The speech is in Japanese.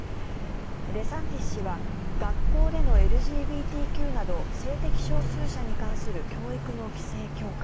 デサンティス氏は学校でのＬＧＢＴＱなど性的少数者に関する教育の規制強化